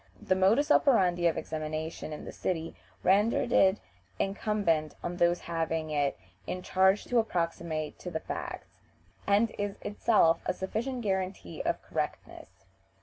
The modus operandi of examination in the city rendered it incumbent on those having it in charge to approximate to the facts, and is itself a sufficient guarantee of correctness.